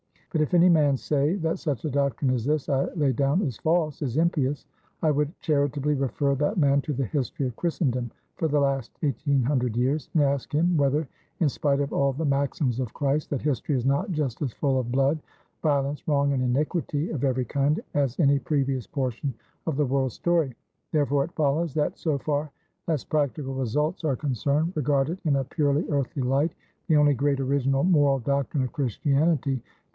But if any man say, that such a doctrine as this I lay down is false, is impious; I would charitably refer that man to the history of Christendom for the last 1800 years; and ask him, whether, in spite of all the maxims of Christ, that history is not just as full of blood, violence, wrong, and iniquity of every kind, as any previous portion of the world's story? Therefore, it follows, that so far as practical results are concerned regarded in a purely earthly light the only great original moral doctrine of Christianity (_i. e.